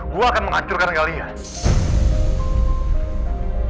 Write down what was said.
gue akan menghancurkan kalian